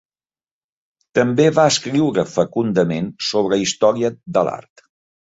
També va escriure fecundament sobre Història de l'art.